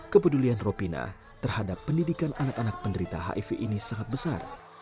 kepedulian ropina terhadap pendidikan anak anak penderita hiv ini sangat besar